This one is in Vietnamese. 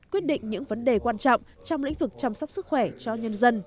quyết định những vấn đề quan trọng trong lĩnh vực chăm sóc sức khỏe cho nhân dân